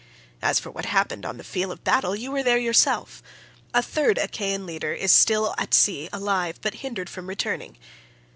As for what happened on the field of battle—you were there yourself. A third Achaean leader is still at sea, alive, but hindered from returning.